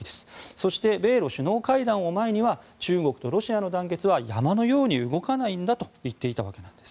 そして、米ロ首脳会談の前には中国とロシアの団結は山のように動かないんだと言っていたわけなんです。